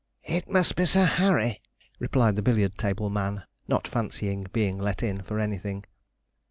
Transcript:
'It must be Sir Harry,' replied the billiard table man, not fancying being 'let in' for anything.